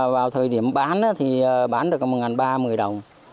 vào thời điểm bán thì bán được một ba một mươi đồng